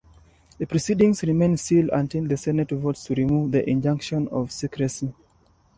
The proceedings remain sealed until the Senate votes to remove the injunction of secrecy.